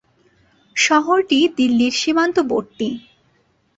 শহরটি দিল্লির সীমান্তবর্তী।